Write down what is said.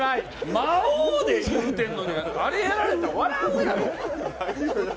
魔王や言うてんのに、あれやられたら笑うやろ。